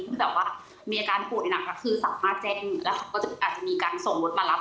แบบว่ามีอาการป่วยหนักค่ะคือสามารถแจ้งแล้วเขาก็อาจจะมีการส่งรถมารับ